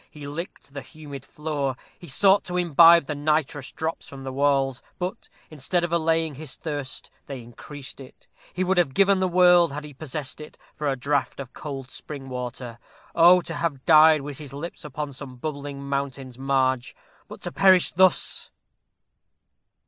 He licked the humid floor; he sought to imbibe the nitrous drops from the walls; but, instead of allaying his thirst, they increased it. He would have given the world, had he possessed it, for a draught of cold spring water. Oh, to have died with his lips upon some bubbling fountain's marge! But to perish thus